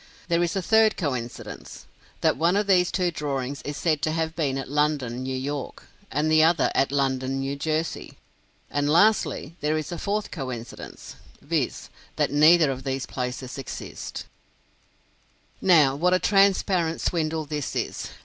There is a third coincidence; that one of these two drawings is said to have been at London, New York, and the other at London, New Jersey. And lastly, there is a fourth coincidence, viz., that neither of these places exists. Now, what a transparent swindle this is!